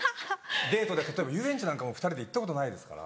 デートで例えば遊園地なんかも２人で行ったことないですから。